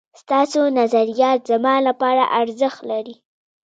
ستاسو نظريات زما لپاره ارزښت لري